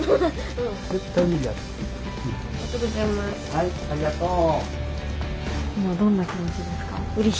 はいありがとう。